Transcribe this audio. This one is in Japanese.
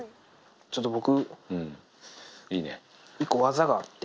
ちょっと僕。